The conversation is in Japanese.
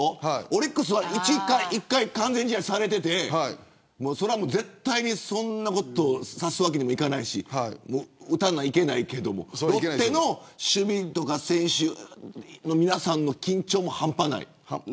オリックスは１回完全試合されてて絶対にそんなことさせるわけにいかないし打たないけないけれどロッテの守備や選手の皆さんの緊張も半端ない。